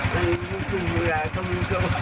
นี่หลังจากพริกชาติ